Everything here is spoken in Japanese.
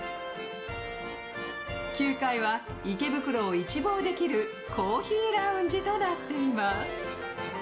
９階は池袋を一望できるコーヒーラウンジとなっています。